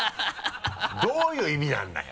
どういう意味なんだよ。